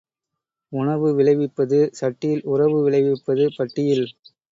உணவு விளைவிப்பது சட்டியில் உறவு விளைவிப்பது பட்டியில்.